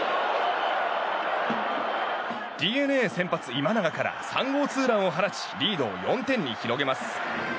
ＤｅＮＡ先発、今永から３号ツーランを放ちリードを４点に広げます。